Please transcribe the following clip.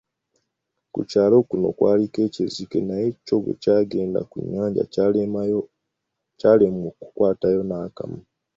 Ku kyalo kuno kwaliko ekizike naye kyo bwekyagenda ku nnyanja kyalemwa okukwatayo n’akamu.